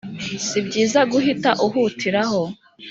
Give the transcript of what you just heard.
si byiza guhita uhutiraho